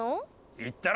言ったろ？